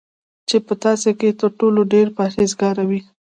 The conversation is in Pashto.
چی په تاسی کی تر ټولو ډیر پرهیزګاره وی